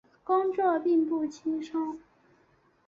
工作并不轻松